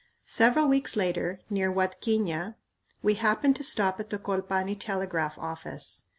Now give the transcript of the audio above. Several weeks later, near Huadquiña, we happened to stop at the Colpani telegraph office.